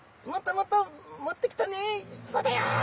「そうだよ！」